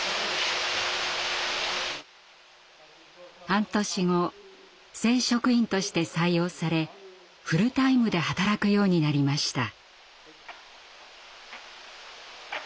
半年後正職員として採用されフルタイムで働くようになりました。